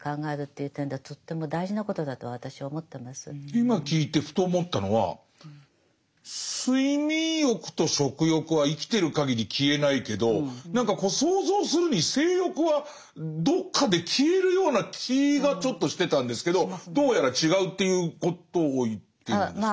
今聞いてふと思ったのは睡眠欲と食欲は生きてるかぎり消えないけど何かこう想像するに性欲はどっかで消えるような気がちょっとしてたんですけどどうやら違うっていうことを言ってるんですか？